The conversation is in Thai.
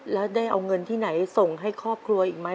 แล้วได้เอาเงินที่ไหนส่งให้ครอบครัวอีกไหม